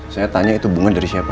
saya tanya itu bunga dari siapa